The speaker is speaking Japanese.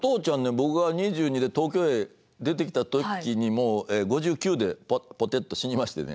僕が２２で東京へ出てきた時にもう５９でポテッと死にましてね。